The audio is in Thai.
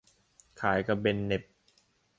ชายกระเบนเหน็บ